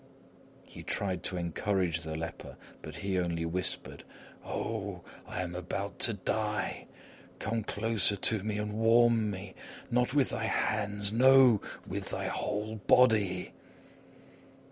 He tried to encourage the leper, but he only whispered: "Oh! I am about to die! Come closer to me and warm me! Not with thy hands! No! with thy whole body."